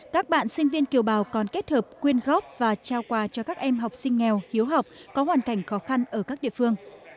các bạn sinh viên kiều bào còn kết hợp quyên góp và trao quà cho các em học sinh nghèo hiếu học có hoàn cảnh khó khăn ở các địa phương